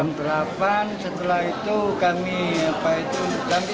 merenggari choco pon di mama